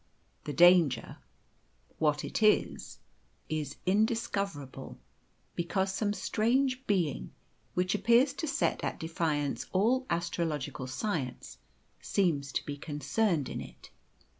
The danger what it is is indiscoverable, because some strange being, which appears to set at defiance all astrological science, seems to be concerned in it.